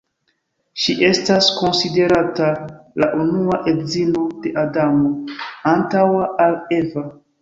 Ŝi estas konsiderata la unua edzino de Adamo, antaŭa al Eva.